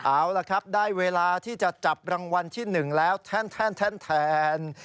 เอาล่ะครับได้เวลาที่จะจับรางวัลที่๑แล้วแท่น